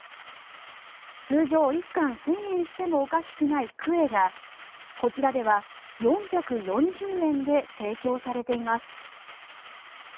通常、１貫１０００円してもおかしくないクエがこちらでは４４０円で提供されています。